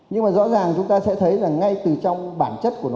nhưng mà rõ ràng chúng ta sẽ thấy là ngay từ trong bản chất